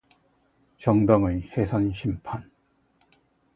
정당의 해산 심판